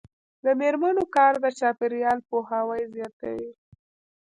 د میرمنو کار د چاپیریال پوهاوي زیاتوي.